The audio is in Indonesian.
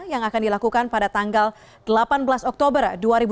yang akan dilakukan pada tanggal delapan belas oktober dua ribu dua puluh